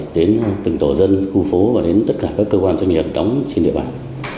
đến từng tổ dân khu phố và đến tất cả các cơ quan doanh nghiệp đóng trên địa bàn